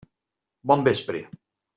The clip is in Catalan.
Bon vespre.